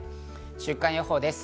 週間予報です。